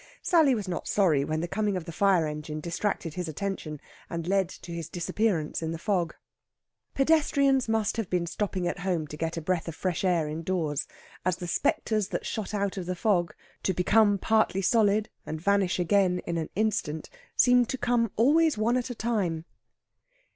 Sally was not sorry when the coming of the fire engine distracted his attention, and led to his disappearance in the fog. Pedestrians must have been stopping at home to get a breath of fresh air indoors, as the spectres that shot out of the fog, to become partly solid and vanish again in an instant, seemed to come always one at a time.